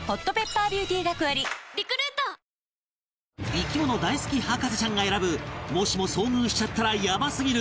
生き物大好き博士ちゃんが選ぶもしも遭遇しちゃったらヤバすぎる